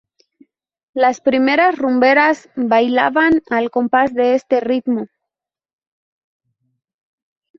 Las primeras rumberas bailaban al compás de este ritmo.